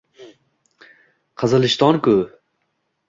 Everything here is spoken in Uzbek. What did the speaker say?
Qizilishton-ku!